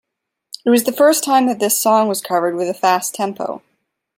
It was the first time that this song was covered with a fast tempo.